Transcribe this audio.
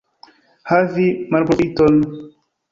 Havi malprofiton.